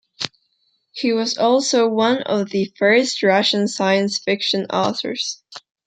He was also one of the first Russian science fiction authors.